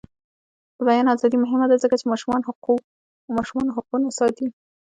د بیان ازادي مهمه ده ځکه چې ماشومانو حقونه ساتي.